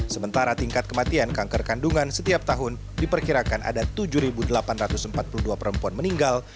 sementara tingkat kematian kanker kandungan setiap tahun diperkirakan ada tujuh delapan ratus empat puluh dua perempuan meninggal